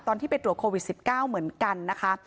ตอนที่ไปตรวจโควิด๑๙เหมือนกันนะคะ